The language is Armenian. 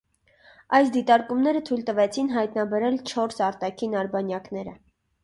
Այս դիտարկումները թույլ տվեցին հայտնաբերել չորս արտաքին արբանյակները։